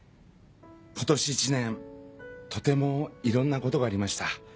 今年一年とてもいろんなことがありました。